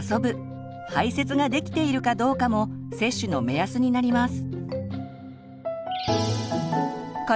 排せつができているかどうかも接種の目安になります。